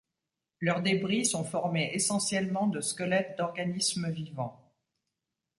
Leurs débris sont formés essentiellement de squelettes d'organismes vivants.